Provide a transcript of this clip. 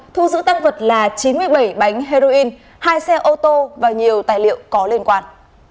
thu giữ tăng vật là chín mươi bảy bánh heroin hai xe ô tô và nhiều tài liệu có liên quan